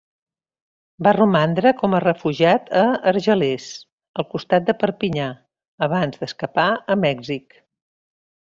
Va romandre com a refugiat a Argelers, al costat de Perpinyà, abans d'escapar a Mèxic.